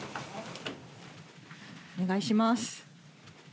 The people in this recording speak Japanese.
お願いします。